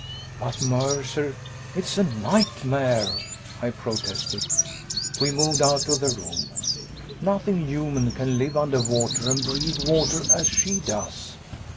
"But, Mercer, it's a nightmare!" I protested. We moved out of the room. "Nothing human can live under water and breathe water, as she does!"